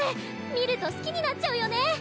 見ると好きになっちゃうよね！